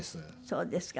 そうですか。